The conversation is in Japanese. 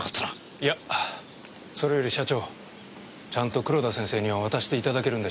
いやそれより社長ちゃんと黒田先生には渡していただけるんでしょうね？